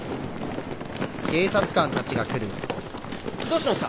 どうしました？